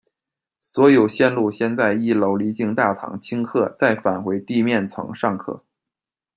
所有路线先在一楼离境大堂清客，再返回地面层上客。